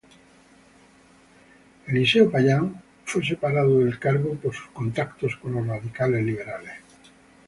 Eliseo Payán fue separado del cargo por sus contactos con los radicales liberales.